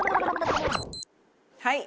はい！